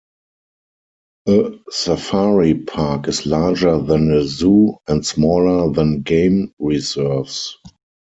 A safari park is larger than a zoo and smaller than game reserves.